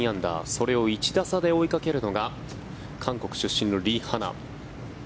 それを１打差で追いかけるのが韓国出身のリ・ハナ。